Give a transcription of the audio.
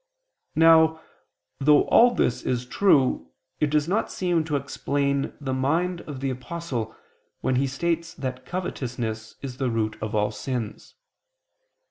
Now, though all this is true, it does not seem to explain the mind of the Apostle when he states that covetousness is the root of all sins.